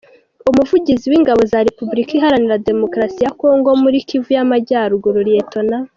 Umuvugizi w’Ingabo za Repubulika Iharanira Demokarasi ya Congo muri Kivu y’Amajyaruguru, Lt.